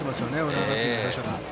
浦和学院の打者が。